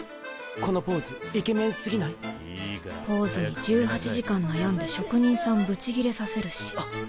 このポーズイポーズに１８時間悩んで職人さんブチギレさせるし。